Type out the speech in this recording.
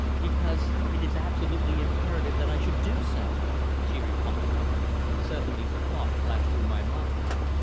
"Because it is absolutely imperative that I should do so," she replied. Suddenly a thought flashed through my mind.